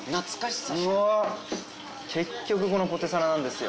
結局このポテサラなんですよ。